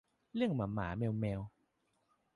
เรื่องหมาหมาแมวแมว